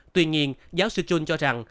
tuy nhiên giáo sư jun cho rằng